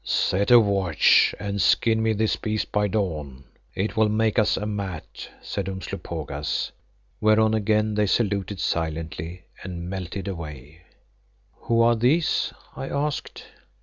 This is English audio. "Set a watch and skin me this beast by dawn. It will make us a mat," said Umslopogaas, whereon again they saluted silently and melted away. "Who are these?" I asked.